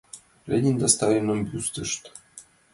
Ленин ден Сталинын бюстышт.